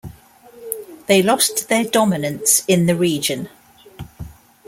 They lost their dominance in the region.